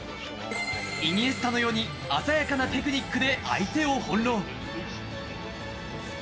イニエスタのように鮮やかなテクニックで相手を翻弄。